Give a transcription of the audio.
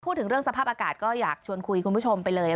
พูดถึงเรื่องสภาพอากาศก็อยากชวนคุยคุณผู้ชมไปเลย